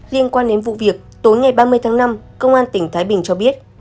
liên quan đến vụ việc tối ngày ba mươi tháng năm công an tỉnh thái bình cho biết